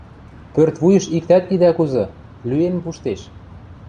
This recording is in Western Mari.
Пӧртвуйыш иктӓт идӓ кузы, лӱэн пуштеш!